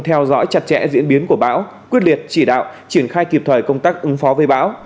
theo dõi chặt chẽ diễn biến của bão quyết liệt chỉ đạo triển khai kịp thời công tác ứng phó với bão